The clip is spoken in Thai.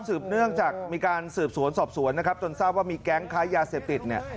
สืบเนื่องจากมีการสืบสวนสอบสวนนะครับจนทราบว่ามีแก๊งค้ายาเสพติดเนี่ย